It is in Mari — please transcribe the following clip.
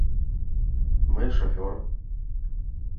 — Мый — шофёр!